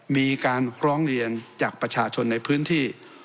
มีการร้องเรียนจากประชาชนในพื้นที่